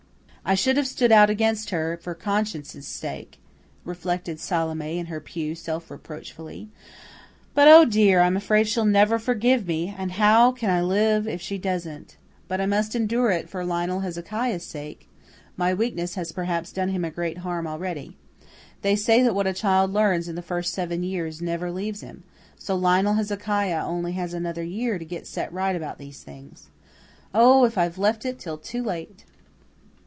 "I should have stood out against her for conscience' sake," reflected Salome in her pew self reproachfully. "But, O dear, I'm afraid she'll never forgive me, and how can I live if she doesn't? But I must endure it for Lionel Hezekiah's sake; my weakness has perhaps done him great harm already. They say that what a child learns in the first seven years never leaves him; so Lionel Hezekiah has only another year to get set right about these things. Oh, if I've left it till too late!"